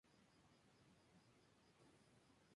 Si este se cae, el truco no cuenta.